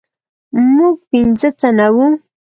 موږ پنځه تنه وو.